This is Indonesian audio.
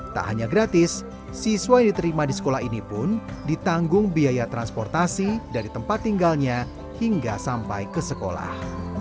tak hanya gratis siswa yang diterima di sekolah ini pun ditanggung biaya transportasi dari tempat tinggalnya hingga sampai ke sekolah